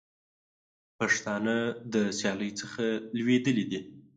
پښتانه د سیالۍ څخه لوېدلي دي.